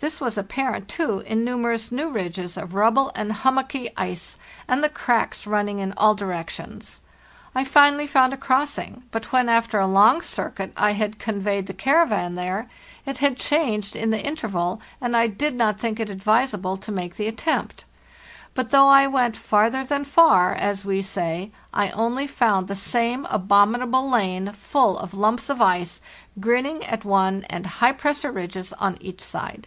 This was apparent, too, In numerous new ridges of rubble and hummocky 184 PARTAHE ST NORLT ice, and the cracks running in all directions. I finally found a crossing, but when, after a long circuit, I had conveyed the caravan there, it had changed in the in terval, and I did not think it advisable to make the at tempt. But though I went 'farther than far,' as we say, [ only found the same abominable lane, full of lumps of ice, grinning at one, and high pressure ridges on each side.